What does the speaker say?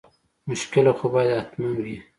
مشکله خو باید حتما وي.